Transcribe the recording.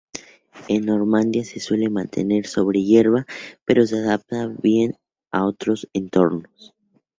En Normandía se suele mantener sobre hierba, pero se adapta bien a otros entornos.